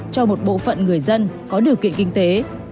cho một bộ phận người dân có điều kiện kinh tế